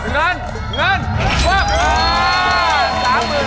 เงินเงินเงิน